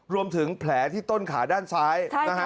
รวมถึงแผลที่ต้นขาด้านซ้าย